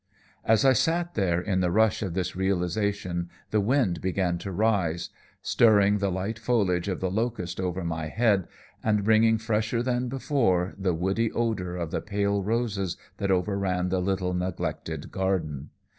"As I sat there in the rush of this realization, the wind began to rise, stirring the light foliage of the locust over my head and bringing, fresher than before, the woody odor of the pale roses that overran the little neglected garden.